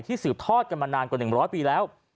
สืบทอดกันมานานกว่า๑๐๐ปีแล้ว